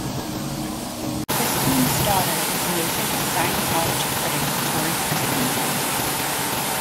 Christman's daughter is noted Scientology critic Tory Christman.